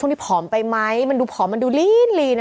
ตอนนี้หุ่นแบบลีนสุด